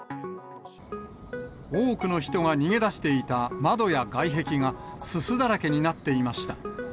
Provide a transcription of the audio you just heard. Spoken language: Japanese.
多くの人が逃げ出していた窓や外壁が、すすだらけになっていました。